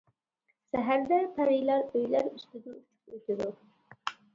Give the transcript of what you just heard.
سەھەردە پەرىلەر ئۆيلەر ئۈستىدىن ئۇچۇپ ئۆتىدۇ.